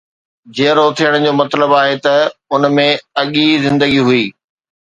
جيئرو ٿيڻ جو مطلب آهي ته ان ۾ اڳي زندگي هئي.